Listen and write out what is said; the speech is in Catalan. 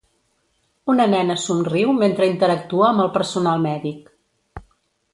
Una nena somriu mentre interactua amb el personal mèdic.